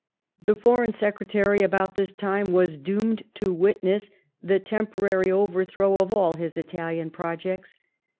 4 The Foreign Secretary about this period was doomed to witness the temporary overthrow of all his Italian projects.